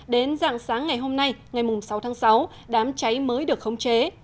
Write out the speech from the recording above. đến dạng sáng ngày hôm nay ngày sáu tháng sáu đám cháy mới được khống chế